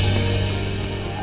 uya buka gerbang